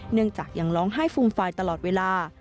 เนื่องจากยังร้องไห้ฟูมฟายตลอดเวลา